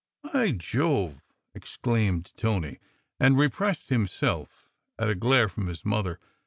"By Jove!" exclaimed Tony, and repressed himself at a glare from his mother.